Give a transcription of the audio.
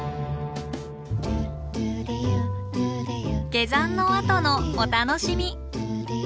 下山のあとのお楽しみ。